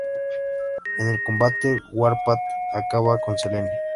En el combate, Warpath acaba con Selene.